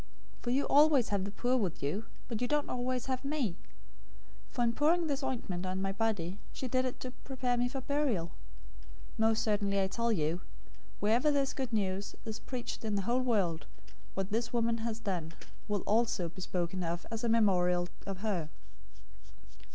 026:011 For you always have the poor with you; but you don't always have me. 026:012 For in pouring this ointment on my body, she did it to prepare me for burial. 026:013 Most certainly I tell you, wherever this Good News is preached in the whole world, what this woman has done will also be spoken of as a memorial of her."